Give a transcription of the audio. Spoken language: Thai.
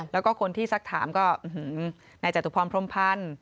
แล้วก็คนที่สักถามก็นายจตุพรพรมพันธ์